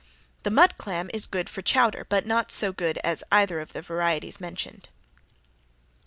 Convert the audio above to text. The mud clam is good for chowder but not so good as either of the other varieties mentioned.